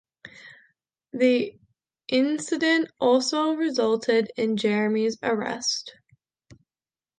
The incident also resulted in Jeremy's arrest.